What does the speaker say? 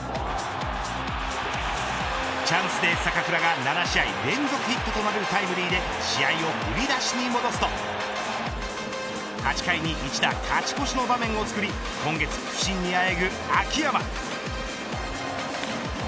チャンスで坂倉が７試合連続ヒットとなるタイムリーで試合を振り出しに戻すと８回に１打勝ち越しの場面をつくり今月不振にあえぐ秋山。